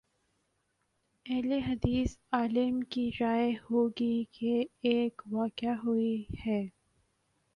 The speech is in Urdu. اہل حدیث عالم کی رائے ہو گی کہ ایک واقع ہوئی ہے۔